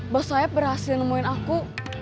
bos saya berhasil nemuin aku